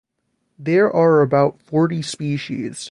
There are about forty species.